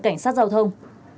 cảnh sát giao thông